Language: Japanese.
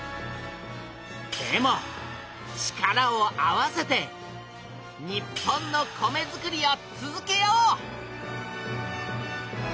でも力を合わせて日本の米づくりを続けよう！